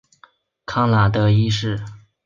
康拉德一世。